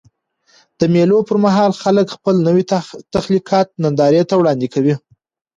د مېلو پر مهال خلک خپل نوي تخلیقات نندارې ته وړاندي کوي.